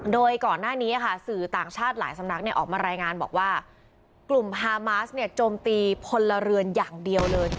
โดยก่อนหน้านี้สื่อต่างชาติหลายสำนักออกมารายงานบอกว่ากลุ่มฮามาสเนี่ยโจมตีพลเรือนอย่างเดียวเลย